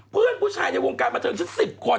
เพื่อนผู้ชายในวงการประเทศ๑๐คน